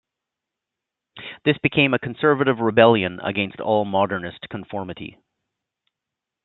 This became a conservative rebellion against all modernist conformity.